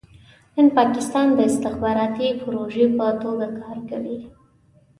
نن پاکستان د استخباراتي پروژې په توګه کار کوي.